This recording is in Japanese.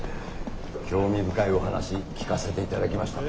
興味深いお話聞かせていただきました。